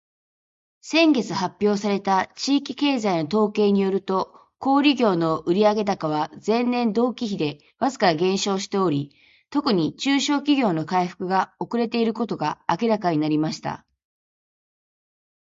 「先月発表された地域経済の統計によると、小売業の売上高は前年同期比でわずかに減少しており、特に中小企業の回復が遅れていることが明らかになりました。」